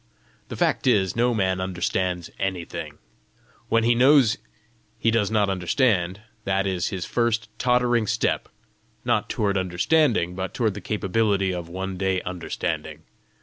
The fact is, no man understands anything; when he knows he does not understand, that is his first tottering step not toward understanding, but toward the capability of one day understanding.